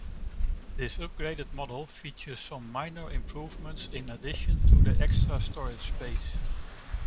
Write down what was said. This upgraded model features some minor improvements in addition to the extra storage space.